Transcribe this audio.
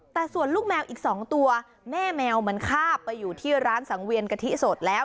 แต่ส่วนลูกแมวอีก๒ตัวแม่แมวมันข้าบไปอยู่ที่ร้านสังเวียนกะทิสดแล้ว